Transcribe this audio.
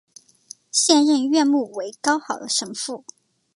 现任院牧为高豪神父。